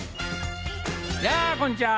やあこんにちは。